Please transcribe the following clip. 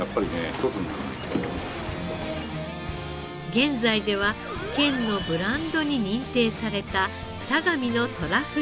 現在では県のブランドに認定された「相模のとらふぐ」。